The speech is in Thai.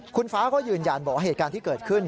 คุณฟ้าก็ยืนยันบอกว่าเหตุการณ์ที่เกิดขึ้น